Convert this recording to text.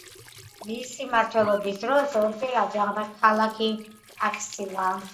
მისი მმართველობის დროს ორჯერ აჯანყდა ქალაქი ტაქსილა.